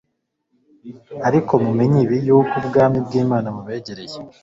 Ariko mumenye ibi: yuko ubwami bw'Imana bubegereye.